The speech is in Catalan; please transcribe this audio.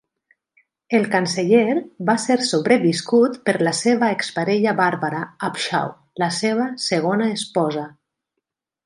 El canceller va ser sobreviscut per la seva ex parella Barbara Upshaw, la seva segona esposa.